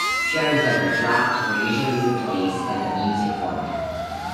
Shows that were dropped were usually replaced by the music format.